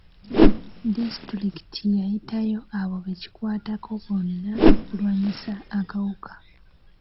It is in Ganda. Disitulikiti yayitayo abo be kikwatako bonna okulwanyisa akawuka.